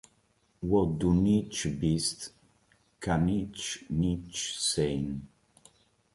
Wo du nicht bist, kann ich nicht sein.